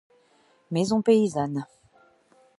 Maison paysannes.